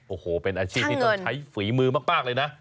โอ้โหเป็นอาชีพที่ต้องใช้ฝีมือมากเลยนะ